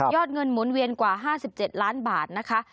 เงินหมุนเวียนกว่า๕๗ล้านบาทนะคะ